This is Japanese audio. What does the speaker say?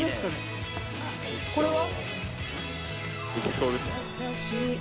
これは？